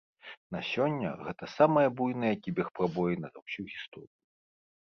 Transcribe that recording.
На сёння гэта самая буйная кібер-прабоіна за ўсю гісторыю.